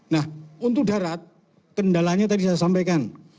nah untuk darat kendalanya tadi saya sampaikan